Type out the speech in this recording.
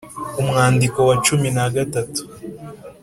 umwandiko wa cumi nagatatu